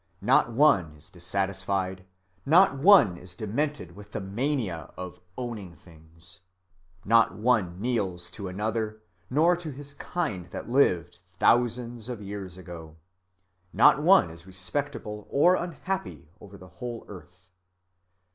Not one is dissatisfied, not one is demented with the mania of owning things, Not one kneels to another, nor to his kind that lived thousands of years ago, Not one is respectable or unhappy over the whole earth."